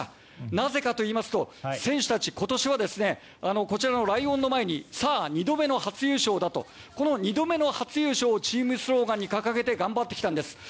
なぜかといいますと選手たち、今年はですねこちらのライオンの前にさあ二度目の初優勝だ！！とこの「二度目の初優勝」をチームスローガンに掲げてやってきたんです。